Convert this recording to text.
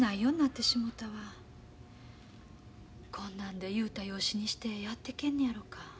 こんなんで雄太養子にしてやっていけんのやろか。